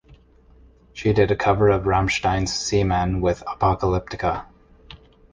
She did a cover of Rammstein's "Seemann" with Apocalyptica.